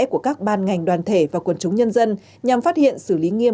của các ban ngành đoàn thể và quần chúng nhân dân nhằm phát hiện xử lý nghiêm